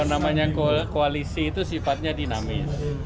namanya koalisi itu sifatnya dinamis